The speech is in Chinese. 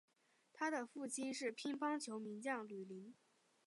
他的父亲是乒乓球名将吕林。